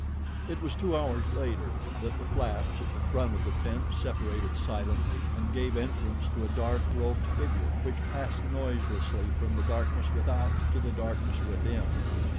It was two hours later that the flaps at the front of the tent separated silently and gave entrance to a dark robed figure, which passed noiselessly from the darkness without to the darkness within.